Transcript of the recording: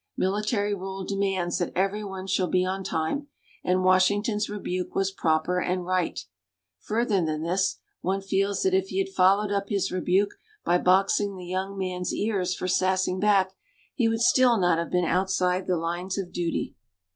Military rule demands that every one shall be on time, and Washington's rebuke was proper and right. Further than this, one feels that if he had followed up his rebuke by boxing the young man's ears for "sassing back," he would still not have been outside the lines of duty.